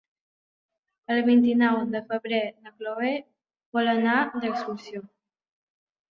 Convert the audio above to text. El vint-i-nou de febrer na Chloé vol anar d'excursió.